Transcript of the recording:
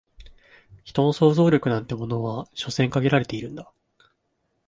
人の想像力なんてものは所詮限られてるんだ